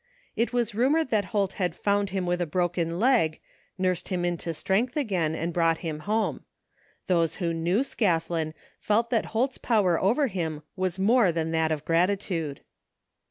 It was rumored that Holt had found him with a broken 1^, niu'sed him into strength again and brought him home. Those who knew Scathlin felt that Holt's power over him was more than that of gratitude.